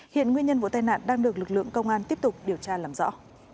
hiện nguyên nhân vụ tai nạn đang được lực lượng công an tiếp tục điều tra làm rõ